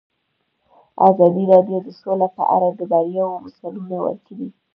ازادي راډیو د سوله په اړه د بریاوو مثالونه ورکړي.